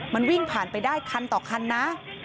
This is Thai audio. มันวิ่งผ่านไปได้คันต่อคันนะ